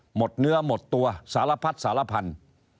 หมดเนื้อหมดตัวสารพัดสารพันธุ์